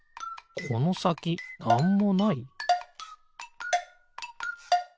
このさきなんもない？